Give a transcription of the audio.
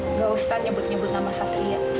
nggak usah nyebut nyebut nama satria